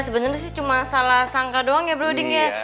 sebenernya sih cuma salah sangka doang ya bro d ya